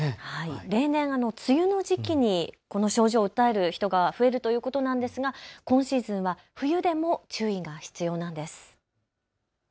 例年、梅雨の時期にこの症状を訴える人が増えるということなんですが、今シーズンは冬でも注意が必要なんです。